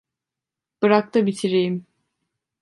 Bırak da bitireyim.